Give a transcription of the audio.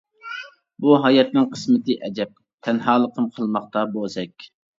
بۇ ھاياتنىڭ قىسمىتى ئەجەب، تەنھالىقىم قىلماقتا بوزەك.